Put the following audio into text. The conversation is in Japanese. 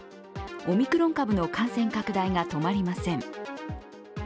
オミクロン株の感染拡大が止まりません。